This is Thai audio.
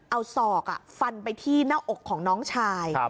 เอาศอกฟันไปที่หน้าอกของน้องชาย